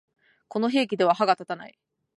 この兵器では歯が立たない